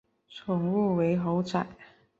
宠物为猴仔。